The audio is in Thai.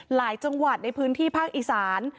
หลายจังหวัดในพื้นที่ภาคอีสาน